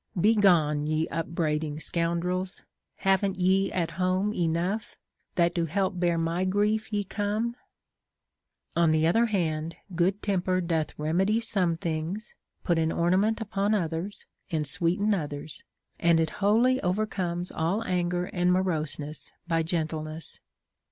55 Be gone, ye upbraiding scoundrels, haven't ye at home Enougli, that to help bear my grief ye come 1 * On the other hand, good temper doth remedy some thmgs, put an ornament upon others, and sweeten others ; and it wholly overcomes all anger and moroseness, by gen tleness.